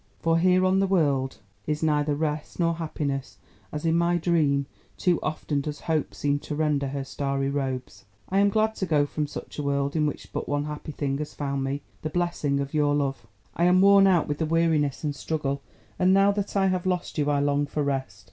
For here on the world is neither rest nor happiness; as in my dream, too often does 'Hope seem to rend her starry robes.' "I am glad to go from such a world, in which but one happy thing has found me—the blessing of your love. I am worn out with the weariness and struggle, and now that I have lost you I long for rest.